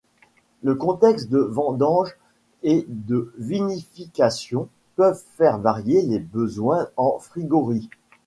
Le contexte de vendange et de vinification peuvent faire varier les besoins en frigories.